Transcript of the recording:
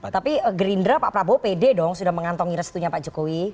tapi gerindra pak prabowo pede dong sudah mengantongi restunya pak jokowi